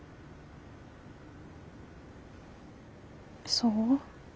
そう？